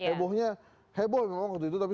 hebohnya heboh memang waktu itu tapi